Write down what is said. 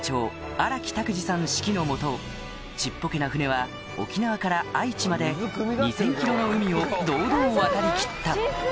荒木汰久治さん指揮の下ちっぽけな船は沖縄から愛知まで２０００ｋｍの海を堂々渡りきった